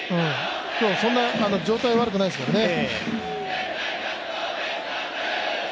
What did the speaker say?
今日そんな状態悪くないですからね。